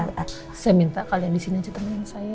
saya minta kalian di sini aja temenin saya ya